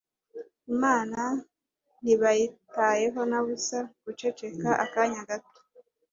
Imana ntibayitayeho na busa guceceka akanya gato